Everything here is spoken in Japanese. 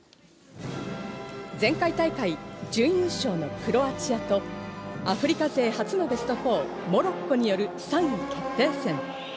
前回大会準優勝のクロアチアとアフリカ勢初のベスト４、モロッコによる３位決定戦。